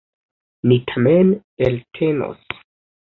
Ni tamen eltenos.